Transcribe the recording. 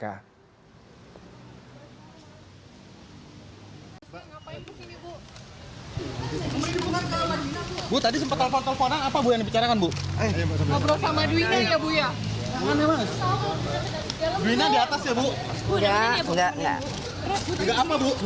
lalu lili herlianti ibu dari duina mihaela datang ke kpk